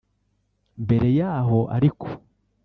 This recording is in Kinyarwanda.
Mbere y’aho ariko